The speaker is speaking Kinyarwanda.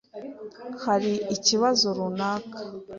Hari ikibazo runaka?